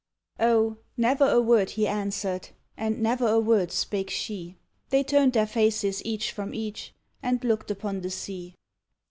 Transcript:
Oh, never a word he answered, And never a word spake she! They turned their faces each from each, And looked upon the sea.